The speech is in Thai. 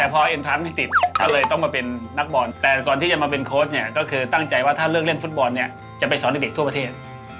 แต่พอเอ็นทรัสไม่ติดก็เลยต้องมาเป็นนักบอลแต่ก่อนที่จะมาเป็นโค้ชเนี่ยก็คือตั้งใจว่าถ้าเลือกเล่นฟุตบอลเนี่ยจะไปสอนเด็กทั่วประเทศ